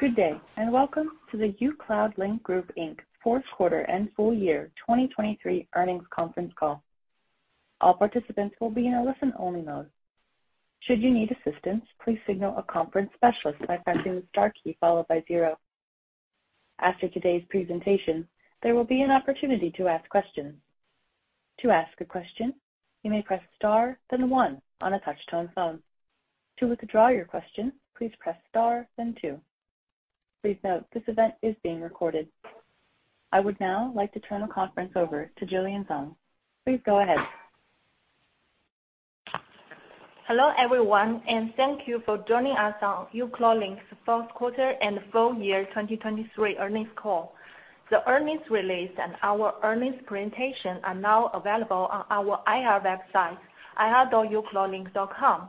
Good day and welcome to the uCloudlink Group Inc. Fourth Quarter and Full Year 2023 Earnings Conference Call. All participants will be in a listen-only mode. Should you need assistance, please signal a conference specialist by pressing the star key followed by zero. After today's presentation, there will be an opportunity to ask questions. To ask a question, you may press star then one on a touch-tone phone. To withdraw your question, please press star then two. Please note, this event is being recorded. I would now like to turn the conference over to Jillian Zeng. Please go ahead. Hello everyone, and thank you for joining us on uCloudlink's Fourth Quarter and Full Year 2023 Earnings Call. The earnings release and our earnings presentation are now available on our IR website, ir.ucloudlink.com.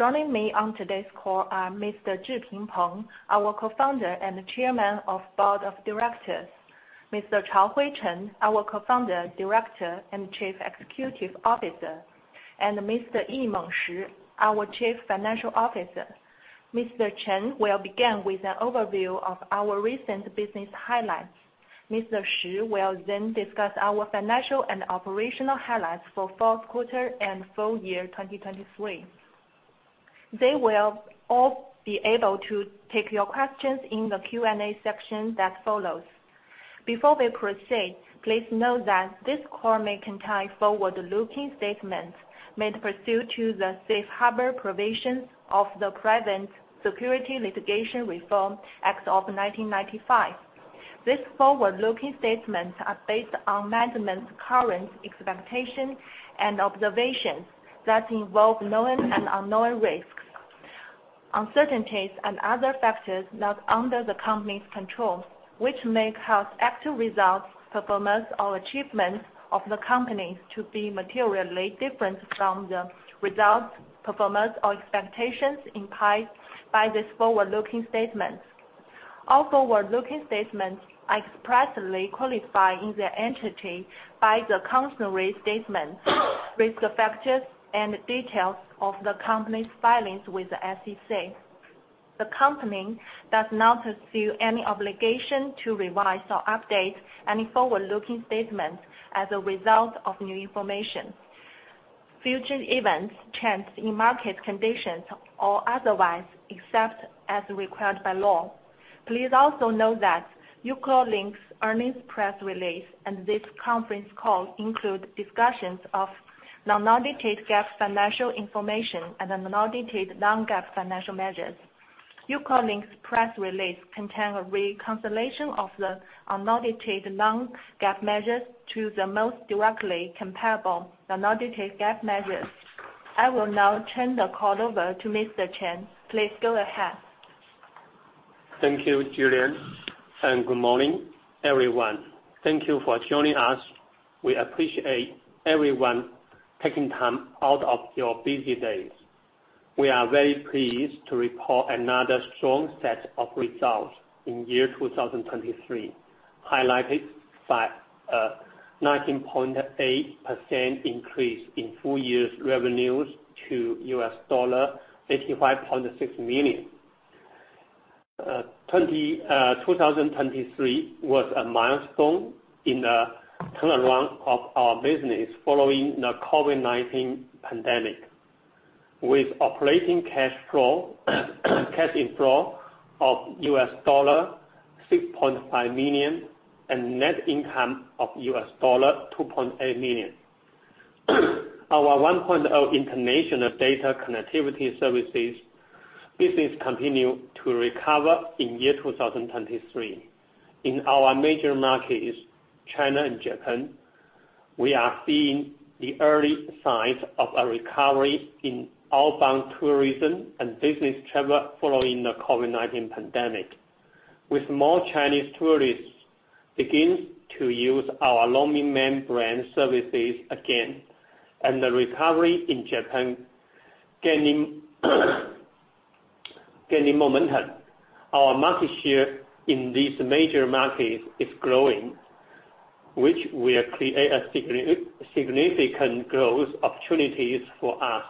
Joining me on today's call are Mr. Zhiping Peng, our Co-Founder and Chairman of the Board of Directors, Mr. Chaohui Chen, our Co-Founder, Director, and Chief Executive Officer, and Mr. Yimeng Shi, our Chief Financial Officer. Mr. Chen will begin with an overview of our recent business highlights. Mr. Shi will then discuss our financial and operational highlights for fourth quarter and full year 2023. They will all be able to take your questions in the Q&A section that follows. Before we proceed, please note that this call may contain forward-looking statements made pursuant to the safe harbor provisions of the Private Securities Litigation Reform Act of 1995. These forward-looking statements are based on management's current expectations and observations that involve known and unknown risks, uncertainties, and other factors not under the company's control, which make actual results, performance, or achievements of the company to be materially different from the results, performance, or expectations implied by these forward-looking statements. All forward-looking statements are expressly qualified in their entirety by the cautionary statement, risk factors, and details of the company's filings with the SEC. The company does not feel any obligation to revise or update any forward-looking statements as a result of new information, future events, change in market conditions, or otherwise except as required by law. Please also note that uCloudlink's earnings press release and this conference call include discussions of non-audited GAAP financial information and non-audited non-GAAP financial measures. uCloudlink's press release contains a reconciliation of the unaudited non-GAAP measures to the most directly comparable unaudited GAAP measures. I will now turn the call over to Mr. Chen. Please go ahead. Thank you, Jillian, and good morning, everyone. Thank you for joining us. We appreciate everyone taking time out of your busy days. We are very pleased to report another strong set of results in year 2023, highlighted by a 19.8% increase in full year's revenues to $85.6 million. 2023 was a milestone in the turnaround of our business following the COVID-19 pandemic, with operating cash inflow of $6.5 million and net income of $2.8 million. Our 1.0 International Data Connectivity Services business continued to recover in year 2023. In our major markets, China and Japan, we are seeing the early signs of a recovery in outbound tourism and business travel following the COVID-19 pandemic, with more Chinese tourists beginning to use our Roamingman brand services again and the recovery in Japan gaining momentum. Our market share in these major markets is growing, which will create significant growth opportunities for us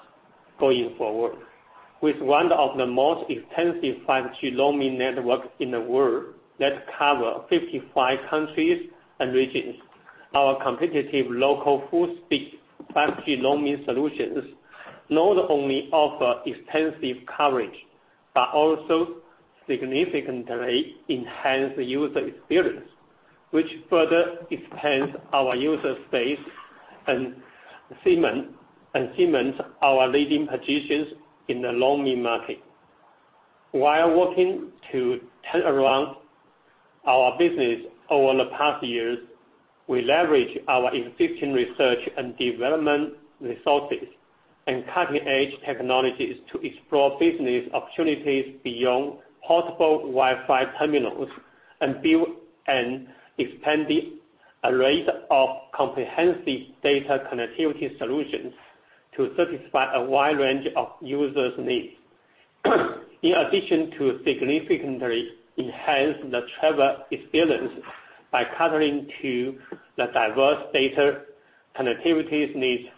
going forward, with one of the most extensive 5G global networks in the world that cover 55 countries and regions. Our competitive local full-speed 5G global solutions not only offer extensive coverage but also significantly enhance the user experience, which further expands our user base and cements our leading positions in the global market. While working to turnaround our business over the past years, we leverage our existing research and development resources and cutting-edge technologies to explore business opportunities beyond portable Wi-Fi terminals and expand the array of comprehensive data connectivity solutions to satisfy a wide range of users' needs. In addition to significantly enhancing the travel experience by catering to the diverse data connectivity needs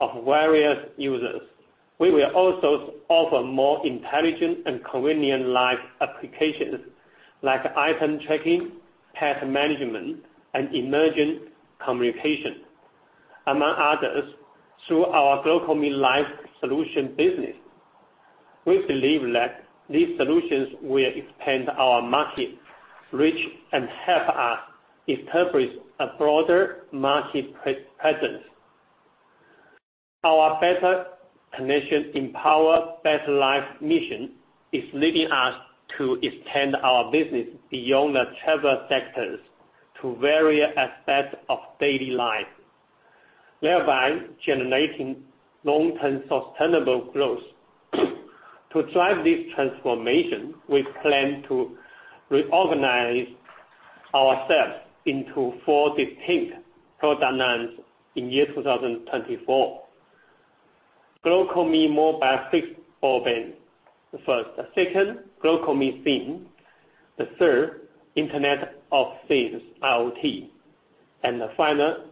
of various users, we will also offer more intelligent and convenient live applications like item tracking, pet management, and emergency communication, among others, through our GlocalMe Life Solution business. We believe that these solutions will expand our market reach and help us establish a broader market presence. Our better connection empower better life mission is leading us to extend our business beyond the travel sectors to various aspects of daily life, thereby generating long-term sustainable growth. To drive this transformation, we plan to reorganize ourselves into four distinct product lines in year 2024: GlocalMe Mobile Fixed Broadband, the first; second, GlocalMe SIM; the third, Internet of Things (IoT); and the final,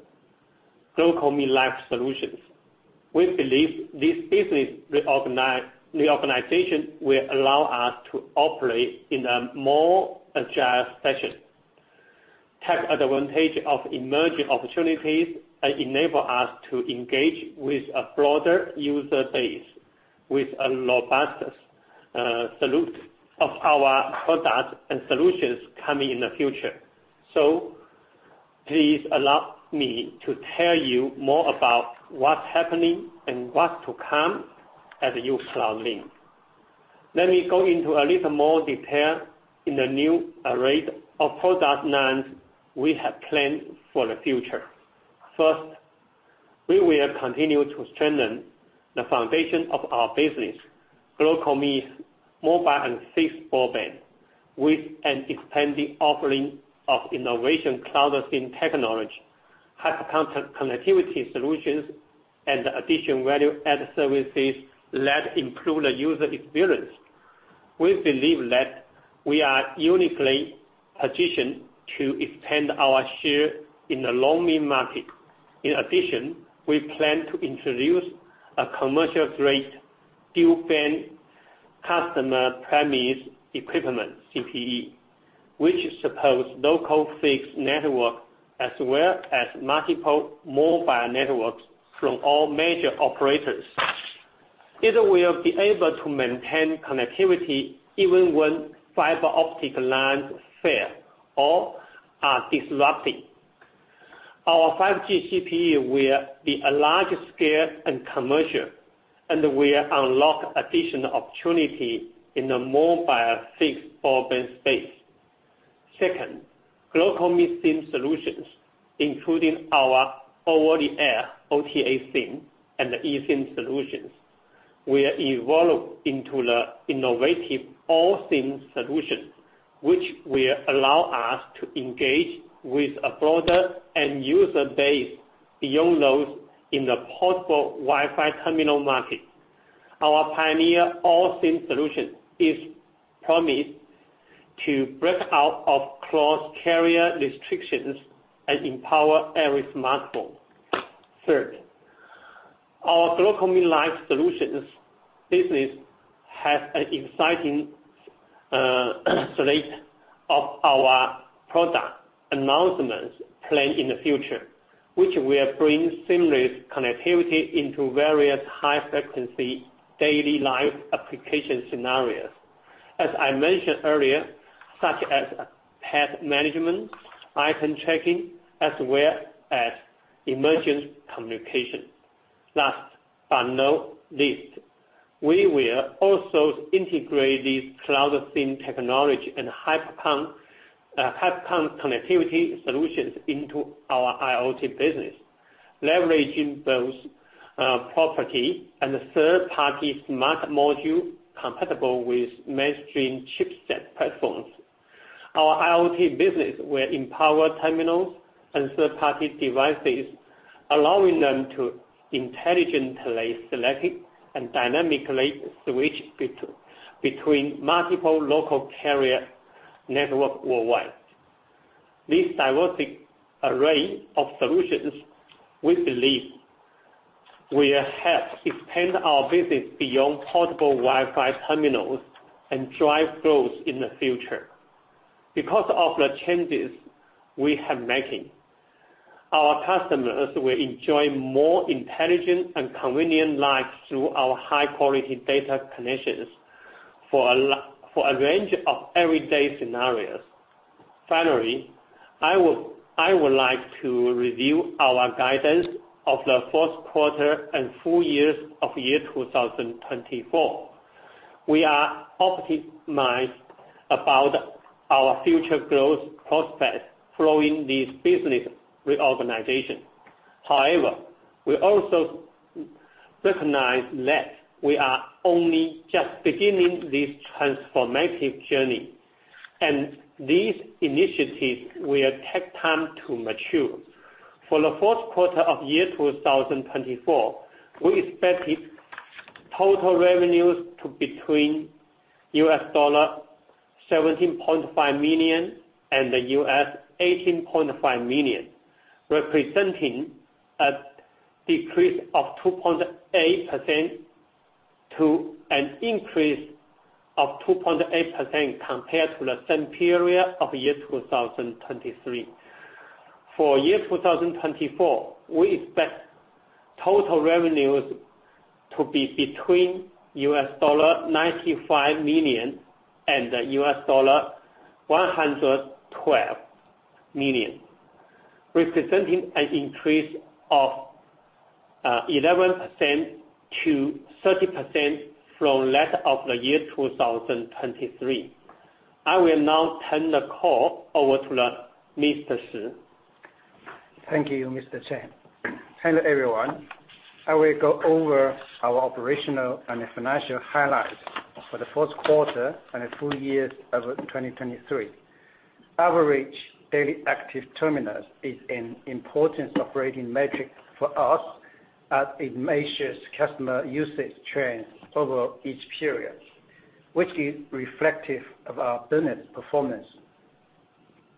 GlocalMe Life Solutions. We believe this business reorganization will allow us to operate in a more agile fashion, take advantage of emerging opportunities, and enable us to engage with a broader user base with a robust suite of our products and solutions coming in the future. So please allow me to tell you more about what's happening and what's to come at uCloudlink. Let me go into a little more detail in the new array of product lines we have planned for the future. First, we will continue to strengthen the foundation of our business, GlocalMe Mobile and Fixed Broadband, with an expanding offering of innovative CloudSIM technology, HyperConn solutions, and additional value-added services that improve the user experience. We believe that we are uniquely positioned to expand our share in the roaming market. In addition, we plan to introduce a commercial-grade dual-band customer-premise equipment (CPE), which supports local fixed networks as well as multiple mobile networks from all major operators. It will be able to maintain connectivity even when fiber optic lines fail or are disrupted. Our 5G CPE will be a large-scale and commercial, and will unlock additional opportunities in the mobile fixed broadband space. Second, GlocalMe SIM solutions, including our over-the-air OTA SIM and eSIM solutions, will evolve into the innovative All-SIM solution, which will allow us to engage with a broader end-user base beyond those in the portable Wi-Fi terminal market. Our pioneer All-SIM solution is promised to break out of cross-carrier restrictions and empower every smartphone. Third, our GlocalMe Life Solutions business has an exciting slate of our product announcements planned in the future, which will bring seamless connectivity into various high-frequency daily life application scenarios, as I mentioned earlier, such as pet management, item tracking, as well as emergency communication. Last but not least, we will also integrate these CloudSIM technology and HyperConn solutions into our IoT business, leveraging both proprietary and third-party smart modules compatible with mainstream chipset platforms. Our IoT business will empower terminals and third-party devices, allowing them to intelligently select and dynamically switch between multiple local carrier networks worldwide. This diverse array of solutions, we believe, will help expand our business beyond portable Wi-Fi terminals and drive growth in the future because of the changes we have been making. Our customers will enjoy more intelligent and convenient life through our high-quality data connections for a range of everyday scenarios. Finally, I would like to review our guidance for the fourth quarter and full year of 2024. We are optimistic about our future growth prospects following this business reorganization. However, we also recognize that we are only just beginning this transformative journey, and these initiatives will take time to mature. For the fourth quarter of 2024, we expect total revenues to be between $17.5 million and $18.5 million, representing a decrease of 2.8% to an increase of 2.8% compared to the same period of 2023. For 2024, we expect total revenues to be between $95 million and $112 million, representing an increase of 11%-30% from 2023. I will now turn the call over to Mr. Shi. Thank you, Mr. Chen. Hello, everyone. I will go over our operational and financial highlights for the fourth quarter and full years of 2023. Average daily active terminals is an important operating metric for us as it measures customer usage trends over each period, which is reflective of our business performance.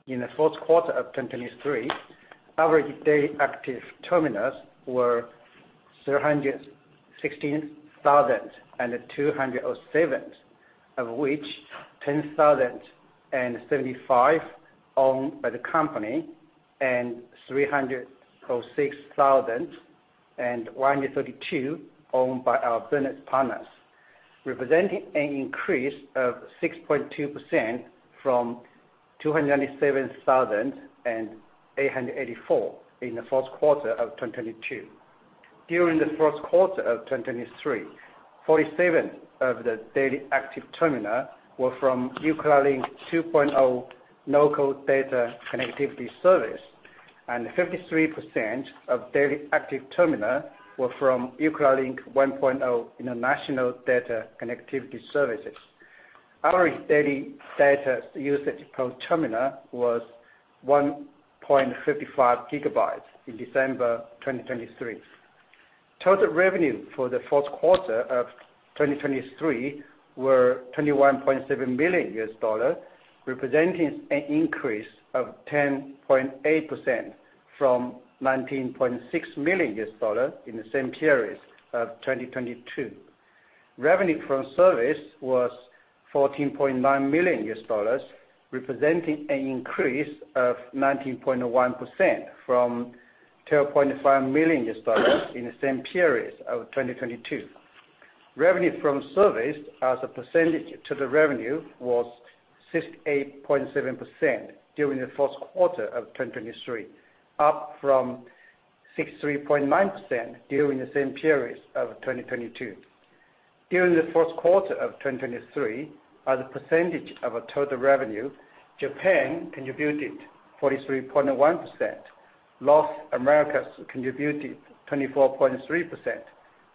In the fourth quarter of 2023, average daily active terminals were 316,207, of which 10,075 owned by the company and 306,132 owned by our business partners, representing an increase of 6.2% from 297,884 in the fourth quarter of 2022. During the fourth quarter of 2023, 47% of the daily active terminals were from uCloudlink 2.0 Local Data Connectivity Services, and 53% of daily active terminals were from uCloudlink 1.0 international data connectivity services. Average daily data usage per terminal was 1.55 GB in December 2023. Total revenue for the fourth quarter of 2023 was $21.7 million, representing an increase of 10.8% from $19.6 million in the same period of 2022. Revenue from service was $14.9 million, representing an increase of 19.1% from $12.5 million in the same period of 2022. Revenue from service as a percentage to the revenue was 68.7% during the fourth quarter of 2023, up from 63.9% during the same period of 2022. During the fourth quarter of 2023, as a percentage of total revenue, Japan contributed 43.1%, North America contributed 24.3%,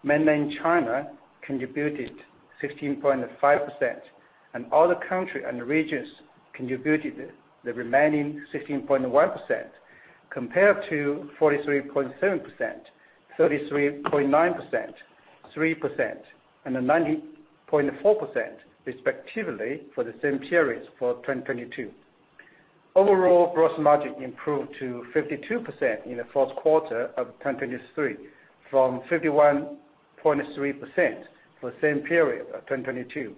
Mainland China contributed 16.5%, and other countries and regions contributed the remaining 16.1% compared to 43.7%, 33.9%, 3%, and 90.4% respectively for the same period for 2022. Overall gross margin improved to 52% in the fourth quarter of 2023 from 51.3% for the same period of 2022,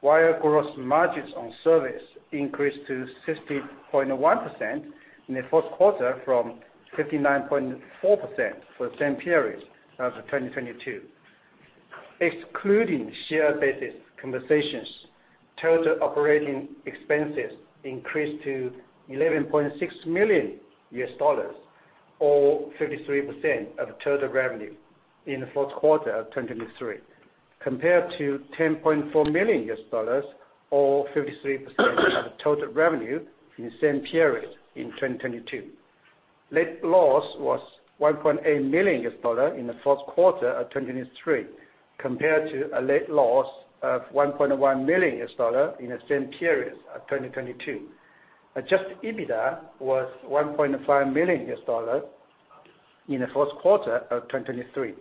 while gross margins on service increased to 60.1% in the fourth quarter from 59.4% for the same period of 2022. Excluding share-based compensation, total operating expenses increased to $11.6 million, or 53% of total revenue in the fourth quarter of 2023, compared to $10.4 million, or 53% of total revenue in the same period in 2022. Net loss was $1.8 million in the fourth quarter of 2023 compared to a net loss of $1.1 million in the same period of 2022. Adjusted EBITDA was $1.5 million in the fourth quarter of 2023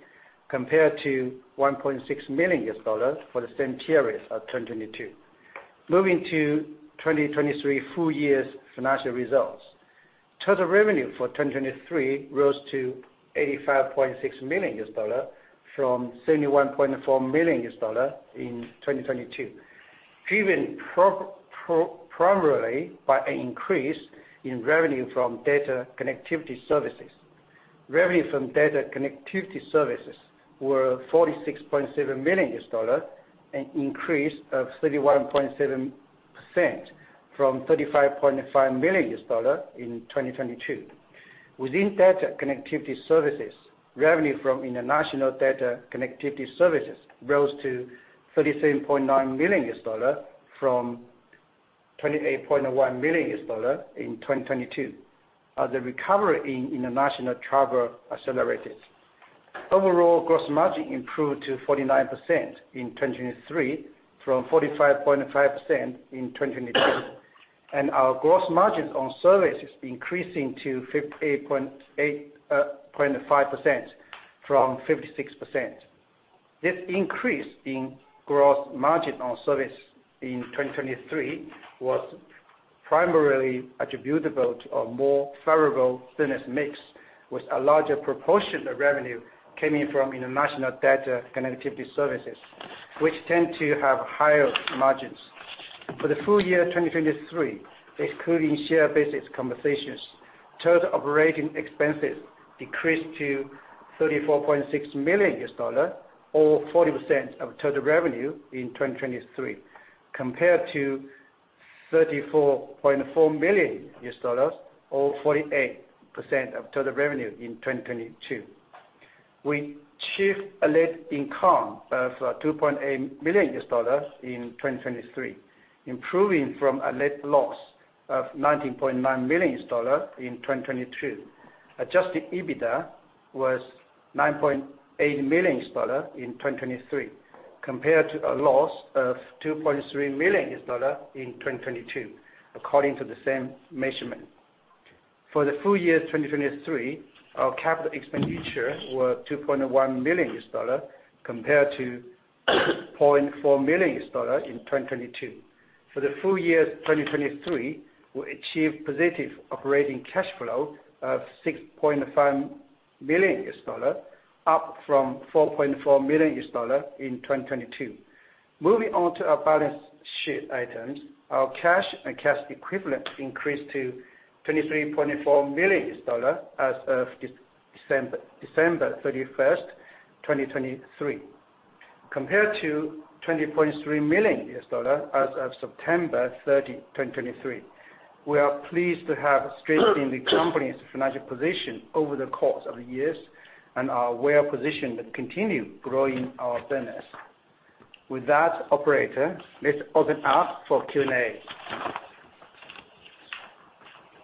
compared to $1.6 million for the same period of 2022. Moving to 2023 full year's financial results, total revenue for 2023 rose to $85.6 million from $71.4 million in 2022, driven primarily by an increase in revenue from data connectivity services. Revenue from data connectivity services was $46.7 million, an increase of 31.7% from $35.5 million in 2022. Within data connectivity services, revenue from international data connectivity services rose to $37.9 million from $28.1 million in 2022, as the recovery in international travel accelerated. Overall gross margin improved to 49% in 2023 from 45.5% in 2022, and our gross margins on service increasing to 58.5% from 56%. This increase in gross margin on service in 2023 was primarily attributable to a more favorable business mix, with a larger proportion of revenue coming from international data connectivity services, which tend to have higher margins. For the full year 2023, excluding share-based compensation, total operating expenses decreased to $34.6 million, or 40% of total revenue in 2023, compared to $34.4 million, or 48% of total revenue in 2022. We achieved a net income of $2.8 million in 2023, improving from a net loss of $19.9 million in 2022. Adjusted EBITDA was $9.8 million in 2023, compared to a loss of $2.3 million in 2022, according to the same measurement. For the full year 2023, our capital expenditure was $2.1 million, compared to $0.4 million in 2022. For the full year 2023, we achieved positive operating cash flow of $6.5 million, up from $4.4 million in 2022. Moving on to our balance sheet items, our cash and cash equivalent increased to $23.4 million as of December 31st, 2023, compared to $20.3 million as of September 30, 2023. We are pleased to have strengthened the company's financial position over the course of the years and are well positioned to continue growing our business. With that, operator, let's open up for Q&A.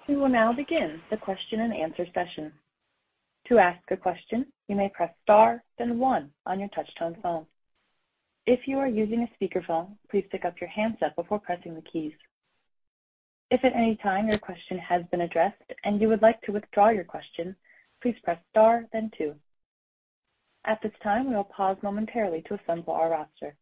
We will now begin the question and answer session. To ask a question, you may press star, then one on your touchscreen phone. If you are using a speakerphone, please pick up your handset before pressing the keys. If at any time your question has been addressed and you would like to withdraw your question, please press star, then two. At this time, we will pause momentarily to assemble our roster.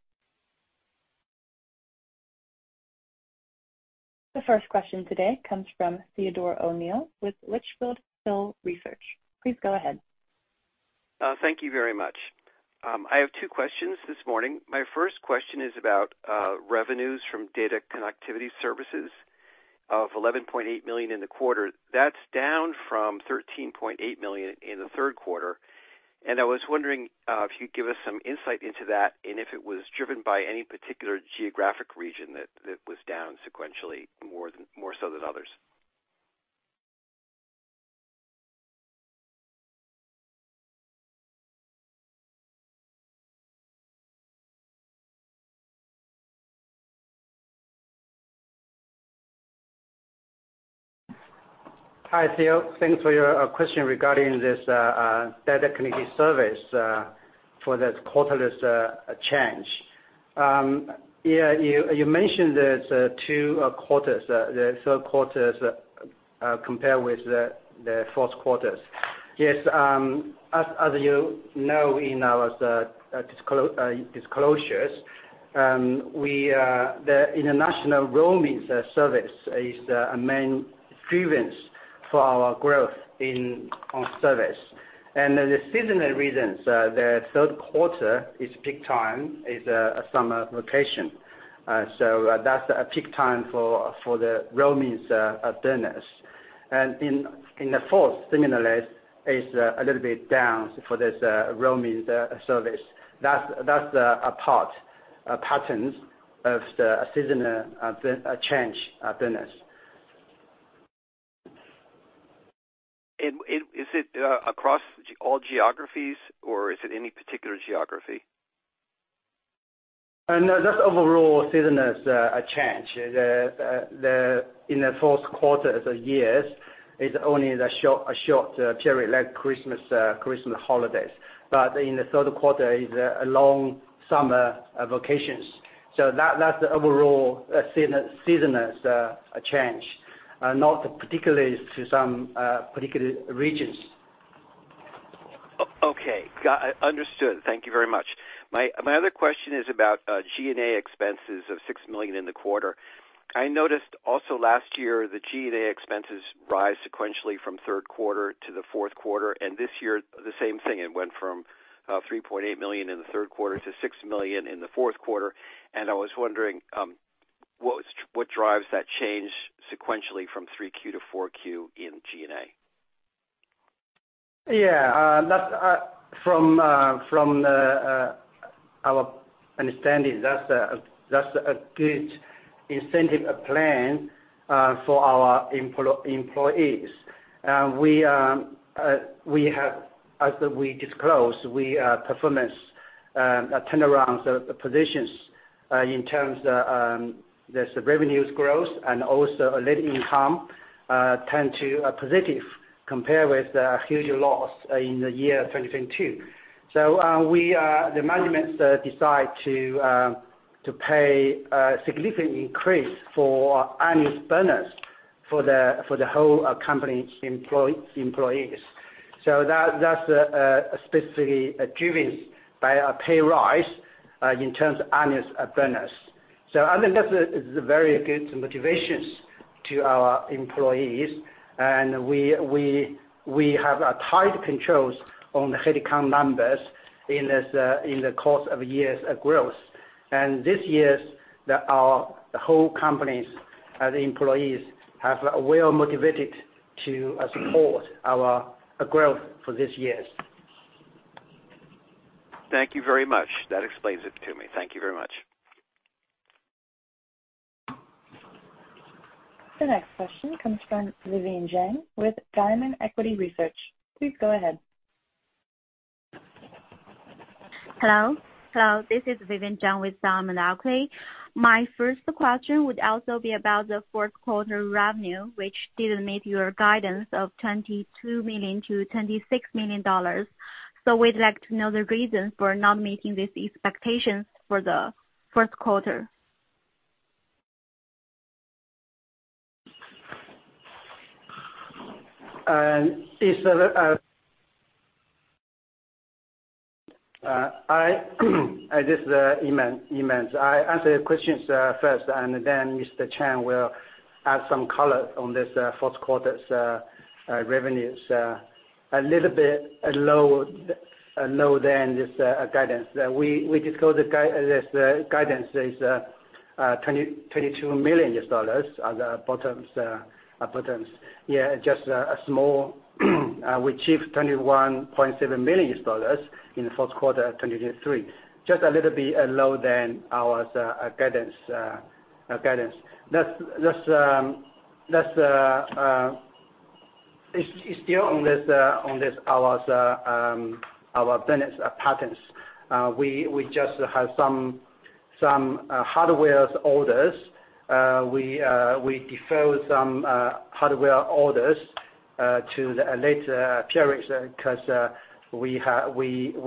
The first question today comes from Theodore O'Neill with Litchfield Hills Research. Please go ahead. Thank you very much. I have two questions this morning. My first question is about revenues from data connectivity services of $11.8 million in the quarter. That's down from $13.8 million in the third quarter. I was wondering if you could give us some insight into that and if it was driven by any particular geographic region that was down sequentially, more so than others. Hi, Theo. Thanks for your question regarding this data connectivity service for this quarterly change. You mentioned the two quarters, the third quarter compared with the fourth quarter. Yes, as you know in our disclosures, the international roaming service is a main driven for our growth on service. And the seasonal reasons, the third quarter is peak time, is a summer vacation. So that's a peak time for the roaming business. And in the fourth, similarly, is a little bit down for this roaming service. That's a pattern of the seasonal change business. Is it across all geographies, or is it any particular geography? No, that's overall seasonal change. In the fourth quarter of the years, it's only a short period like Christmas holidays. But in the third quarter, it's a long summer vacations. So that's the overall seasonal change, not particularly to some particular regions. Okay. Understood. Thank you very much. My other question is about G&A expenses of $6 million in the quarter. I noticed also last year, the G&A expenses rise sequentially from third quarter to the fourth quarter. This year, the same thing. It went from $3.8 million in the third quarter to $6 million in the fourth quarter. I was wondering, what drives that change sequentially from 3Q to 4Q in G&A? Yeah. From our understanding, that's a good incentive plan for our employees. We have, as we disclosed, our performance turnaround positions in terms of the revenue growth and also a net income tend to be positive compared with a huge loss in the year 2022. The management decided to pay a significant increase for annual bonus for the whole company's employees. That's specifically driven by a pay rise in terms of annual bonus. I think that's very good motivation to our employees. We have tight controls on the headcount numbers in the course of years' growth. This year, our whole company's employees are well motivated to support our growth for this year. Thank you very much. That explains it to me. Thank you very much. The next question comes from Vivian Zeng with Diamond Equity Research. Please go ahead. Hello. Hello. This is Vivian Zhang with Diamond Equity. My first question would also be about the fourth quarter revenue, which didn't meet your guidance of $22 million-$26 million. So we'd like to know the reason for not meeting these expectations for the fourth quarter? This is Yimeng Shi. I answered your questions first, and then Mr. Chen will add some color on this fourth quarter's revenues. A little bit lower than this guidance. We disclosed this guidance as $22 million as the bottoms. Yeah, just a small, we achieved $21.7 million in the fourth quarter of 2023, just a little bit lower than our guidance. It's still on our business patterns. We just have some hardware orders. We defer some hardware orders to later periods because we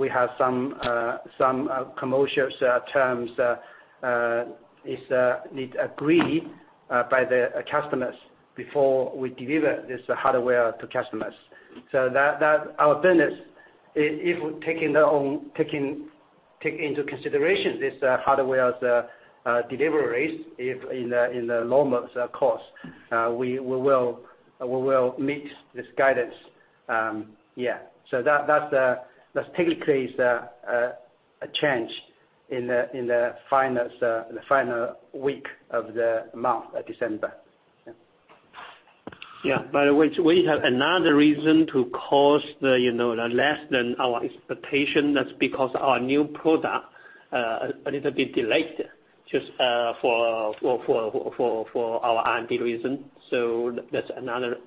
have some commercial terms that need to be agreed by the customers before we deliver this hardware to customers. So our business, if we're taking into consideration this hardware's deliveries in the normal course, we will meet this guidance. Yeah. So that's technically a change in the final week of the month, December. Yeah. By the way, we have another reason to cost less than our expectation. That's because our new product is a little bit delayed just for our R&D reason. So that's another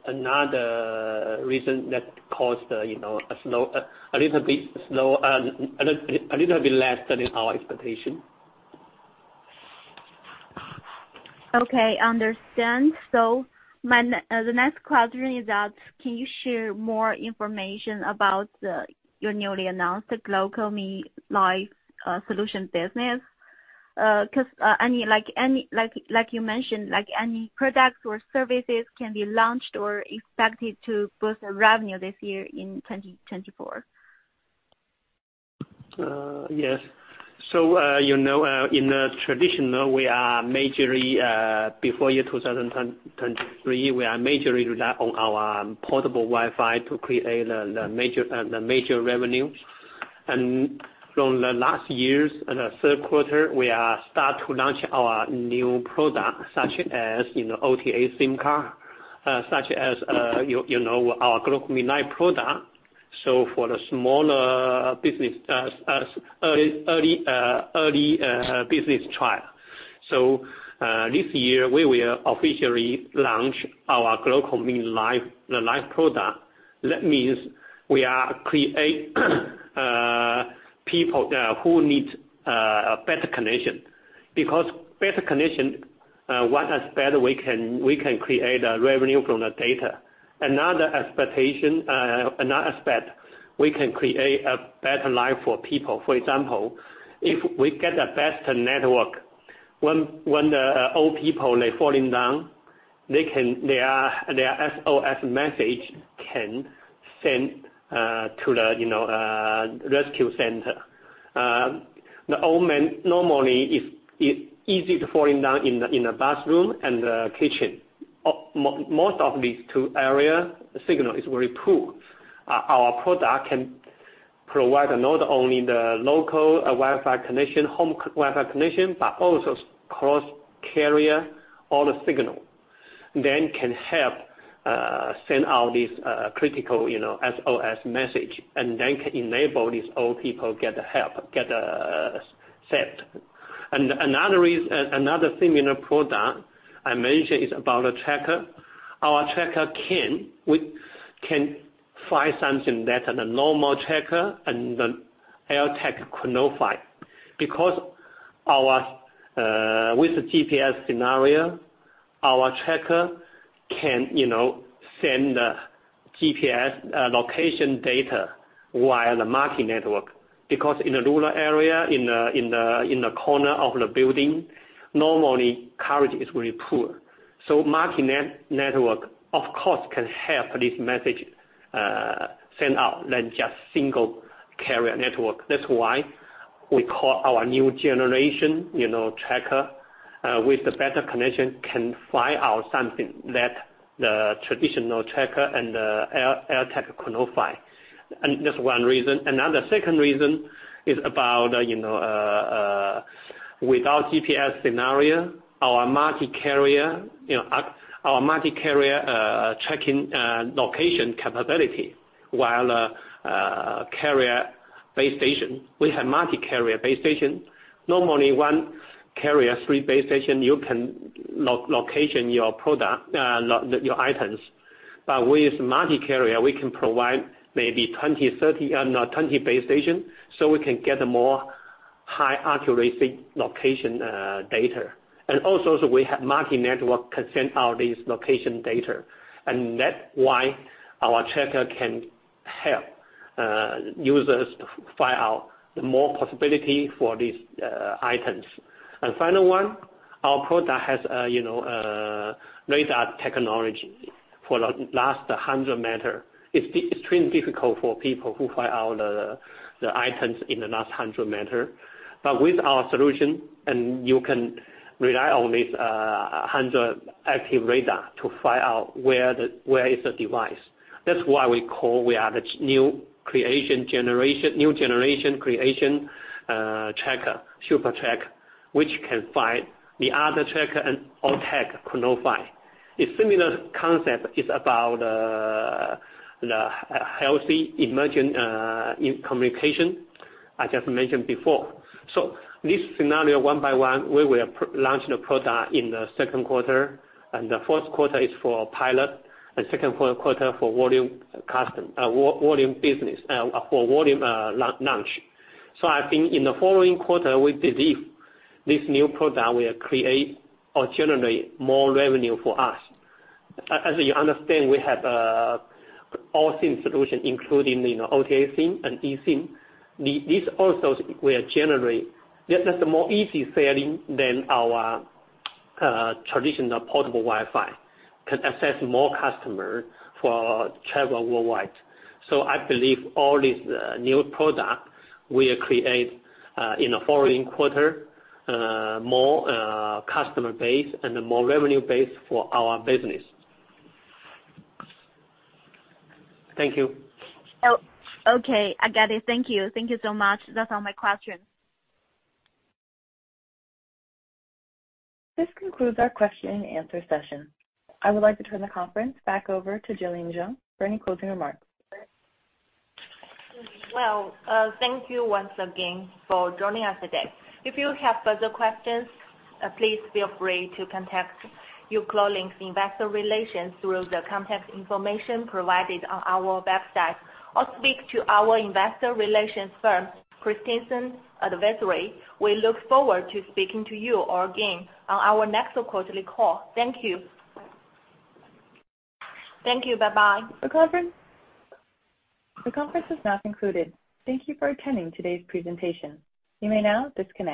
reason that caused a little bit less than our expectation. Okay. Understand. So the next question is that can you share more information about your newly announced GlocalMe Life solution business? Because like you mentioned, any products or services can be launched or expected to boost revenue this year in 2024. Yes. So in the traditional, we are majorly before year 2023, we are majorly relying on our portable Wi-Fi to create the major revenue. And from the last year's third quarter, we started to launch our new product such as OTA SIM card, such as our GlocalMe Life product. So for the smaller business, early business trial. So this year, we will officially launch our GlocalMe Life product. That means we create people who need a better connection. Because better connection, one aspect, we can create revenue from the data. Another aspect, we can create a better life for people. For example, if we get the best network, when the old people are falling down, their SOS message can send to the rescue center. Normally, it's easy to fall down in the bathroom and the kitchen. Most of these two areas, signal is very poor. Our product can provide not only the local Wi-Fi connection, home Wi-Fi connection, but also cross-carrier all the signal. Then can help send out this critical SOS message and then can enable these old people to get help, get saved. Another similar product I mentioned is about a tracker. Our tracker can find something better than the normal tracker and the AirTag counterpart. Because with the GPS scenario, our tracker can send the GPS location data via the mobile network. Because in a rural area, in the corner of the building, normally, coverage is very poor. So mobile network, of course, can help this message send out than just single carrier network. That's why we call our new generation tracker with the better connection can find out something that the traditional tracker and the AirTag counterpart. That's one reason. Another second reason is about without GPS scenario, our multi-carrier tracking location capability while a carrier base station. We have multi-carrier base station. Normally, one carrier, three base stations, you can locate your items. But with multi-carrier, we can provide maybe 20, 30, no, 20 base stations so we can get more high-accuracy location data. And also, we have multi-network can send out this location data. And that's why our tracker can help users find out more possibility for these items. And final one, our product has radar technology for the last 100 meters. It's extremely difficult for people who find out the items in the last 100 meters. But with our solution, and you can rely on this 100-active radar to find out where is the device. That's why we call we are the new generation creation tracker, SuperTrack, which can find the other tracker and AirTag. A similar concept is about healthy emergency communication, I just mentioned before. So this scenario, one by one, we will launch the product in the second quarter. And the fourth quarter is for pilot. And second quarter for volume business, for volume launch. So I think in the following quarter, we believe this new product will create or generate more revenue for us. As you understand, we have all SIM solutions, including OTA SIM and eSIM. These also, we generate that's more easy selling than our traditional portable Wi-Fi can access more customers for travel worldwide. So I believe all these new products, we will create in the following quarter more customer base and more revenue base for our business. Thank you. Okay. I get it. Thank you. Thank you so much. Those are my questions. This concludes our question and answer session. I would like to turn the conference back over to Jillian Zeng for any closing remarks. Well, thank you once again for joining us today. If you have further questions, please feel free to contact uCloudlink's investor relations through the contact information provided on our website or speak to our investor relations firm, Christensen Advisory. We look forward to speaking to you again on our next quarterly call. Thank you. Thank you. Bye-bye. The conference is now concluded. Thank you for attending today's presentation. You may now disconnect.